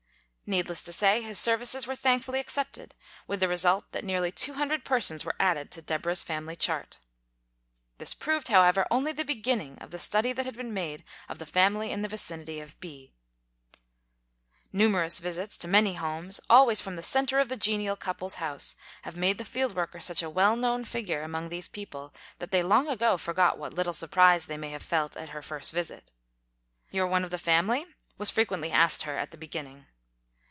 Needless to say, his services were thankfully accepted, with the 82 THE KALLIKAK FAMILY result that nearly two hundred persons were added to Deborah's family chart. This proved, however, only the beginning of the study that has been made of the family in the vicinity of B . Numerous visits to many homes, always from the center of the genial couple's house, have made the field worker such a well known figure among these people, that they long ago forgot what little surprise they may have felt at her first visit. "You're one of the family ?" was frequently asked her at the begin ning.